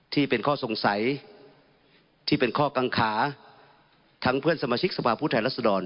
ที่เป็นข้อสงสัยที่เป็นข้อกังขาทั้งเพื่อนสมาชิกสภาพผู้แทนรัศดร